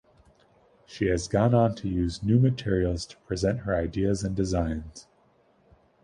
She has gone on to use new materials to present her ideas and designs.